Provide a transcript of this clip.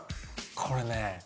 これね。